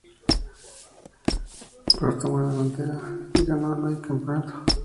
Prost tomó la delantera y ganó la y el campeonato.